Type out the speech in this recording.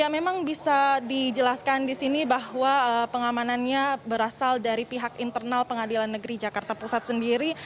ya memang bisa dijelaskan di sini bahwa pengamanannya berasal dari pihak internal pengadilan negeri jakarta pusat sendiri